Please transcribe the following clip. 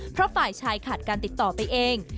เพราะฝ่ายชายขาดการติดต่อไปเอง